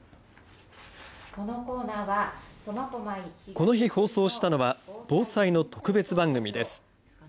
この日、放送したのは防災の特別番組です。